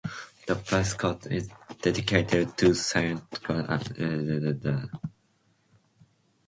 The Parish Church is dedicated to Saint Cuthbert and is situated on Church Bank.